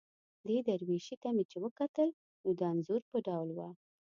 دې درویشي ته مې چې وکتل، نو د انځور په ډول وه.